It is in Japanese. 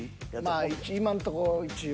まあ今んとこ一応。